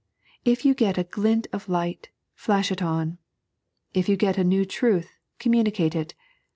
If you get a glint of light, flash it on. If you get a new truth, communicate it.